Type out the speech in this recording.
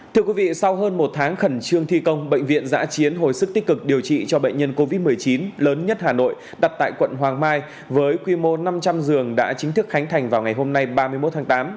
thưa quý vị sau hơn một tháng khẩn trương thi công bệnh viện giã chiến hồi sức tích cực điều trị cho bệnh nhân covid một mươi chín lớn nhất hà nội đặt tại quận hoàng mai với quy mô năm trăm linh giường đã chính thức khánh thành vào ngày hôm nay ba mươi một tháng tám